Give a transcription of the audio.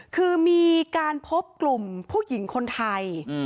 คือมีการพบกลุ่มผู้หญิงคนไทย